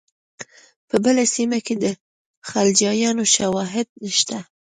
په بله سیمه کې د خلجیانو شواهد نشته.